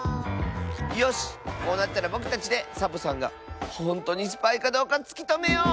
よしこうなったらぼくたちでサボさんがほんとうにスパイかどうかつきとめよう！